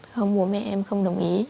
không bố mẹ em không đồng ý